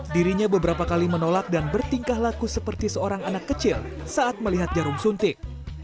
dirinya beberapa kali menolak dan bertingkah laku seperti seorang anak kecil saat melihat jarum suntik